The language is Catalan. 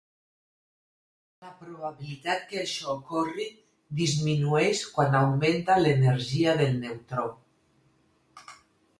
La probabilitat que això ocorri disminueix quan augmenta l'energia del neutró.